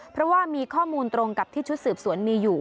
เพราะว่ามีข้อมูลตรงกับที่ชุดสืบสวนมีอยู่